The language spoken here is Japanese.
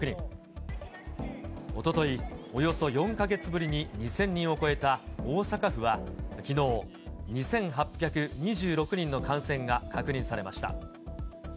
おととい、およそ４か月ぶりに２０００人を超えた大阪府はきのう、２８２６人の感染が確認されました。